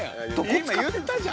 今言ったじゃん！